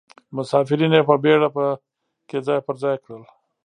مسافرین یې په بیړه په کې ځای پر ځای کړل.